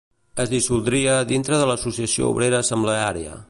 Es dissoldria dintre de l'Associació Obrera Assembleària.